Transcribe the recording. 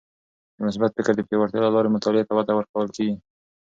د مثبت فکر د پیاوړتیا له لارې مطالعې ته وده ورکول کیږي.